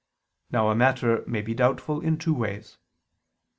Now a matter may be doubtful in two ways.